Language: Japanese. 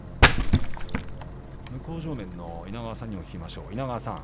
向正面の稲川さんにも聞きましょう。